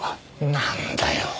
なんだよ。